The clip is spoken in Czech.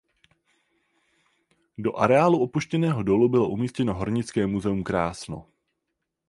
Do areálu opuštěného dolu bylo umístěno hornické muzeum Krásno.